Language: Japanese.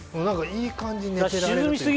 いい感じに寝てられるというか。